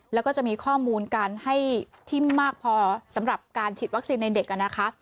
แล้วก็จะมีข้อมูลการให้ที่มากพอสำหรับการฉีดวัคซีนในเด็กนะคะ